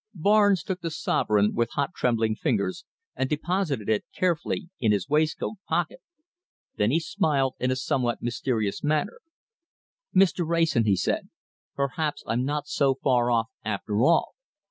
Barnes took the sovereign with hot, trembling fingers, and deposited it carefully in his waistcoat pocket. Then he smiled in a somewhat mysterious manner. "Mr. Wrayson," he said, "perhaps I'm not so far off, after all.